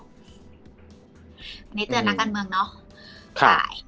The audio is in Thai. วันนี้เจอนักการเมืองเนอะ